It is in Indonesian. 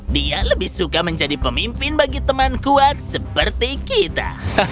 dia lebih suka menjadi pemimpin bagi teman kuat seperti kita